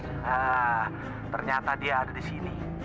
nah ternyata dia ada disini